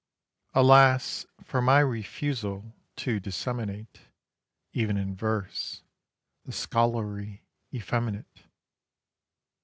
Alas! for my refusal to disseminate Even in verse the scholarly effeminate.